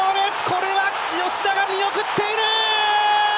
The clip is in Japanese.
これは吉田が見送っている！